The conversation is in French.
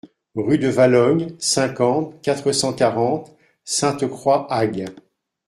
Rue de Valognes, cinquante, quatre cent quarante Sainte-Croix-Hague